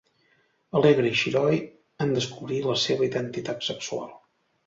Alegre i xiroi en descobrir la seva identitat sexual.